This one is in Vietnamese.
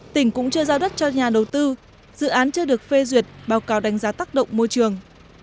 tỉnh cũng chưa giao đất cho nhà đầu tư dự án chưa được phê duyệt báo cáo đánh giá tác động môi trường